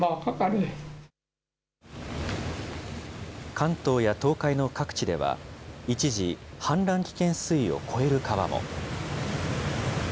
関東や東海の各地では、一時、氾濫危険水位を超える川も。